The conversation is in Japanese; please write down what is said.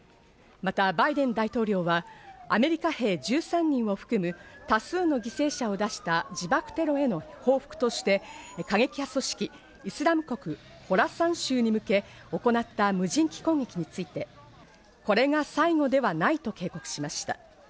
またバイデン大統領は、アメリカ兵１３人を含む多数の犠牲者を出した自爆テロへの報復として、過激派組織イスラム国ホラサン州に向け、行った無人機攻撃についてこれが最後ではないと警告しました。